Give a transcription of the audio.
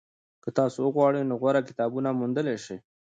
که تاسو وغواړئ نو غوره کتابونه موندلی شئ.